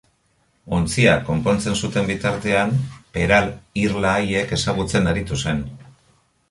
Ontzia konpontzen zuten bitartean, Peral irla haiek ezagutzen aritu zen.